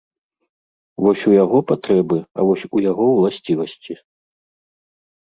Вось у яго патрэбы, а вось у яго ўласцівасці.